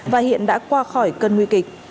và hiện đã qua khỏi cơn nguy kịch